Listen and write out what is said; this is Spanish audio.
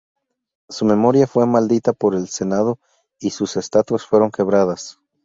Su memoria fue maldita por el Senado y sus estatuas fueron quebradas.